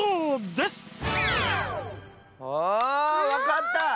あわかった！